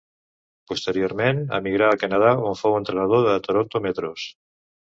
Posteriorment emigrà al Canadà on fou entrenador de Toronto Metros.